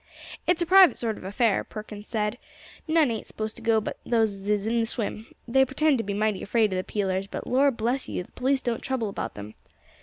"It's a private sort of affair," Perkins said; "none ain't supposed to go but those as is in the swim. They pretend to be mighty afraid of the peelers; but, Lor' bless you! the police don't trouble about them.